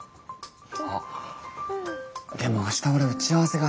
あっでも明日俺打ち合わせが。